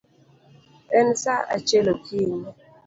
En saa achiel okinyi